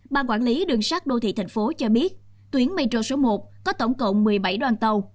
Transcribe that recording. bàn quản lý đường sắt đô thị tp hcm cho biết tuyến metro số một có tổng cộng một mươi bảy đoàn tàu